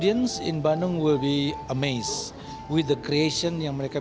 dan saya yakin sekali dengan kami membawa ini kepada chef terbesar di trans penonton di bandung akan kagum